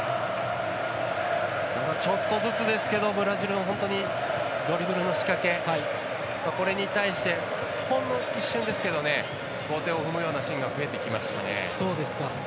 ちょっとずつですけどブラジルは本当にドリブルの仕掛けこれに対してほんの一瞬ですけど後手を踏むシーンが出てきました。